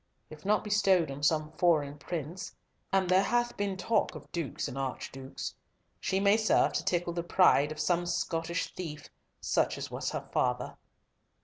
If not bestowed on some foreign prince (and there hath been talk of dukes and archdukes), she may serve to tickle the pride of some Scottish thief, such as was her father."